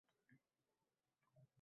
Osmonda mezonlar uchadi.